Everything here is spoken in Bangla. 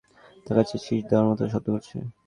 বড়-বড় চোখে এদিক-ওদিক তাকাচ্ছে, শিস দেওয়ার মতো শব্দ করছে।